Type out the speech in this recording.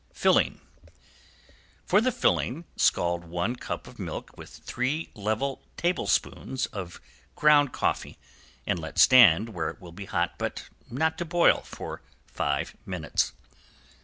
~FILLING~ For the filling scald one cup of milk with three level tablespoons of ground coffee and let stand where it will be hot but not boil, for five minutes.